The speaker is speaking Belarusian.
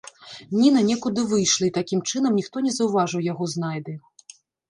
Ніна некуды выйшла, і, такім чынам, ніхто не заўважыў яго знайды.